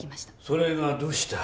それがどうした。